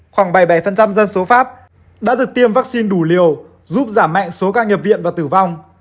khoảng bảy mươi bảy dân số pháp đã được tiêm vaccine đủ liều giúp giảm mạnh số ca nhập viện và tử vong